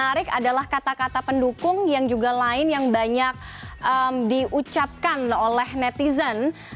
yang menarik adalah kata kata pendukung yang juga lain yang banyak diucapkan oleh netizen